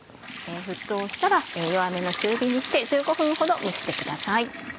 沸騰したら弱めの中火にして１５分ほど蒸してください。